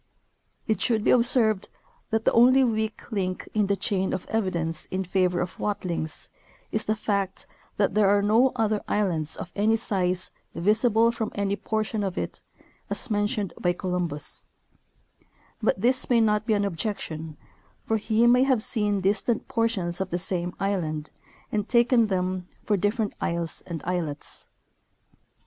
It should be observed that the only weak link in the chain of evidence in favor of Watlings is the fact that there are no other islands of any size visible from any portion of it, as mentioned by Columbus; but this may not be an objection, for he may have seen distant portions of the same island and taken them for different isles and islets.